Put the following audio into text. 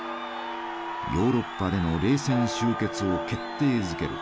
ヨーロッパでの冷戦終結を決定づける